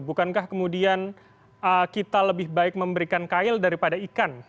bukankah kemudian kita lebih baik memberikan kail daripada ikan